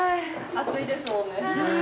暑いですもんね。